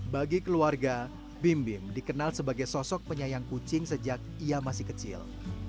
bagi keluarga bim bim dikenal sebagai sosok penyayang kucing sejak ia masih kecil